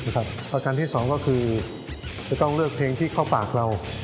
คลิปชั้นที่สองก็คือจะเลือกเพลงที่ข้อปากเรา